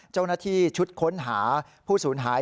เจ้าหน้าที่ชุดค้นหาผู้สูญหาย